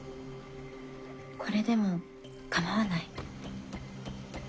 これでもかまわない？